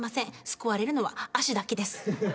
すくわれるのは足だけです。